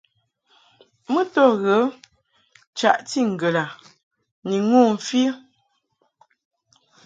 Mɨ to ghə chaʼti ŋgəd a ni ŋu mfi.